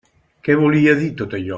Què volia dir tot allò?